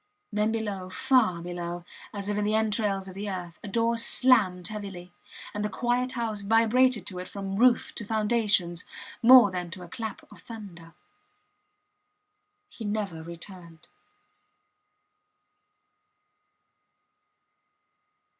Then below, far below her, as if in the entrails of the earth, a door slammed heavily; and the quiet house vibrated to it from roof to foundations, more than to a clap of thunder. He never returned.